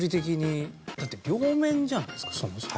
だって両面じゃないですかそもそも。